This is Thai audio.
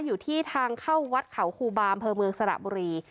อยู่ที่ทางเข้าวัดเขาครูบามเภอเมืองสระบุรี